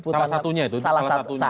salah satunya itu